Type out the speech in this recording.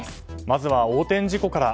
まずは横転事故から。